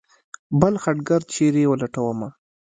بل خټګر چېرې ولټومه.